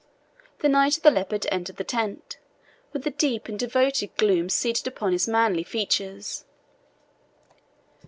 the Knight of the Leopard entered the tent, with a deep and devoted gloom seated upon his manly features.